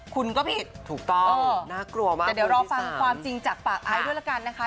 คุณก็ผิดถูกต้องน่ากลัวมากแต่เดี๋ยวรอฟังความจริงจากปากไอซ์ด้วยละกันนะคะ